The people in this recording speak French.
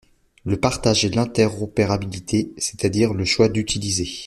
le partage et l'interopérabilité, c'est à dire le choix d'utiliser